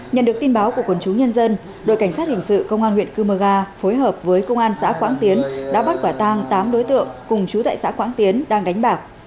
nhận được tin báo của quân chú nhân dân đội cảnh sát hình sự công an huyện cư mơ ga phối hợp với công an xã quảng tiến đã bắt quả tang tám đối tượng cùng chú tại xã quảng tiến đang đánh bạc